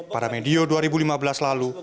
pada medio dua ribu lima belas lalu